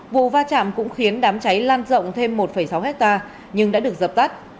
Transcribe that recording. vụ va chạm cũng khiến đám cháy lan rộng thêm một sáu hectare nhưng đã được dập tắt